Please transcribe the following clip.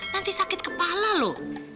nanti sakit kepala lo